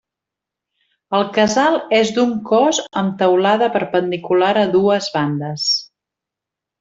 El casal és d'un cos amb teulada perpendicular a dues bandes.